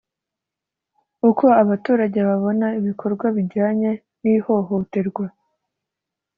uko abaturage babona ibikorwa bijyanye n ihohoterwa